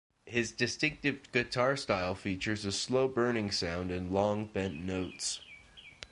His distinctive guitar style features a slow-burning sound and long bent notes.